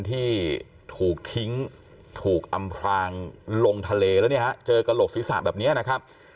ที่ถูกทิ้งถูกอำพลางลงทะเลแล้วเนี่ยฮะเจอกระโหลกศีรษะแบบนี้นะครับ